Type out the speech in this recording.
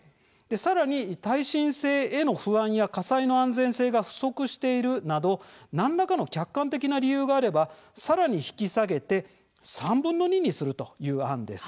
さらに耐震性への不安や火災の安全性が不足していることなど何らかの客観的な理由があればさらに引き下げて３分の２にするという案です。